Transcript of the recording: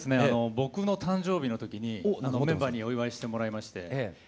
僕の誕生日の時にメンバーにお祝いしてもらいまして。